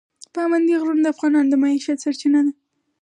پابندی غرونه د افغانانو د معیشت سرچینه ده.